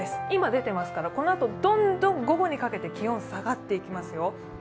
今出てますから、このあとどんどん午後にかけて気温が下がっていきますよ。